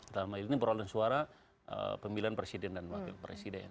dalam hal ini perolehan suara pemilihan presiden dan wakil presiden